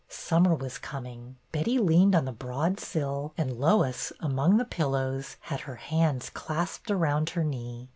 Summer was coming. Betty leaned on the broad sill, and Lois, among the pillows, had her hands clasped around her knee.